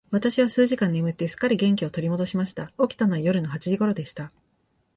私は数時間眠って、すっかり元気を取り戻しました。起きたのは夜の八時頃でした。